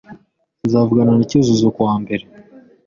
Tuzavugana na Cyuzuzo kuwa mbere.